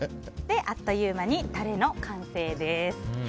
あっという間にタレの完成です。